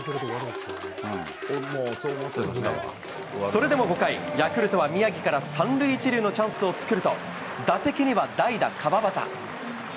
それでも５回、ヤクルトは宮城から３塁１塁のチャンスを作ると、打席には代打、川端。